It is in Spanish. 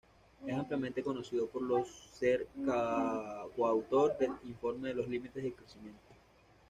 Es ampliamente conocido por ser coautor del informe Los límites del Crecimiento.